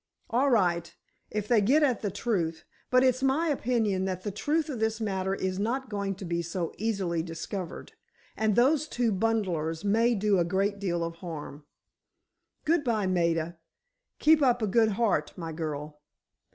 "All right, if they get at the truth, but it's my opinion that the truth of this matter is not going to be so easily discovered, and those two bunglers may do a great deal of harm. Good bye, Maida, keep up a good heart, my girl."